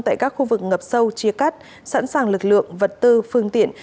tại các khu vực ngập sâu chia cắt sẵn sàng lực lượng vật tư phương tiện